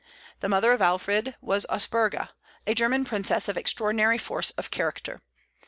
The mother of Alfred was Osburgha, a German princess of extraordinary force of character.